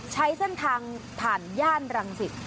ใช้เส้นทางผ่านย่านรังสิต